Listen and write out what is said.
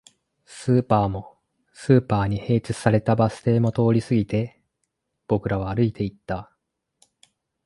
スーパーも、スーパーに併設されたバス停も通り過ぎて、僕らは歩いていった